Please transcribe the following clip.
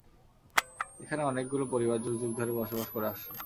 এখানে অনেকগুলা পরিবার যুগযুগ ধরে বাস করে আসছে।